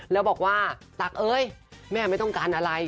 แล้วบอกว่าตักเอ้ยแม่ไม่ต้องการอะไร